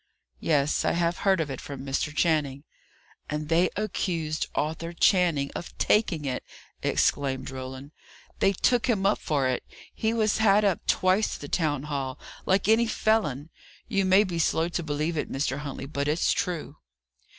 "Yes. I have heard of it from Mr. Channing." "And they accused Arthur Channing of taking it!" exclaimed Roland. "They took him up for it; he was had up twice to the town hall, like any felon. You may be slow to believe it, Mr. Huntley, but it's true."